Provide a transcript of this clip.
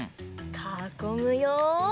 かこむよ。